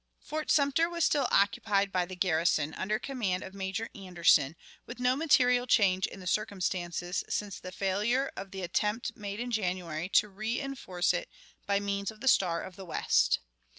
Fort Sumter was still occupied by the garrison under command of Major Anderson, with no material change in the circumstances since the failure of the attempt made in January to reënforce it by means of the Star of the West.